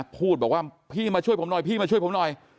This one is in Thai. พูดบอกว่าพี่มาช่วยผมหน่อยพี่มาช่วยผมหน่อย